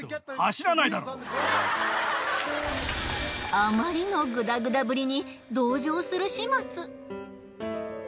あまりのグダグダぶりに同情する始末。